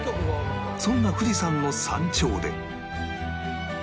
そんな富士山の山頂で